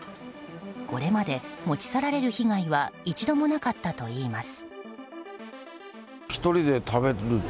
これまで持ち去られる被害は一度もなかったといいます。